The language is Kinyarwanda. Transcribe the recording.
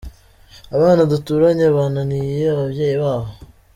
Abana duturanye bananiye ababyeyi babo.